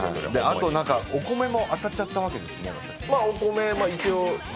あと、お米も当たっちゃったわけですね、私。